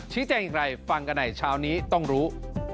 ชี้แจงอย่างไรฟังกันไหนชาวนี้ต้องรู้